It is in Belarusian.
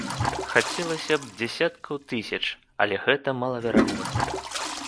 Хацелася б дзесяткаў тысяч, але гэта малаверагодна.